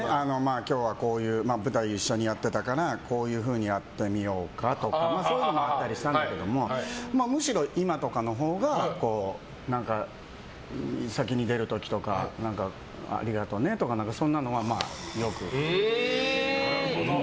今日は舞台を一緒にやってたからこういうふうにやってみようかとかそういうのもあったりしたんだけどむしろ今とかのほうが先に出る時とかありがとうねとかそんなのはよく。